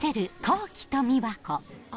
あ。